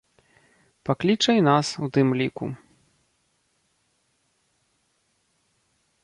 Пакліча і нас, у тым ліку.